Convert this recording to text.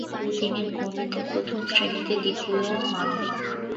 তিনি গণিতে প্রথম শ্রেণীতে দ্বিতীয় হন।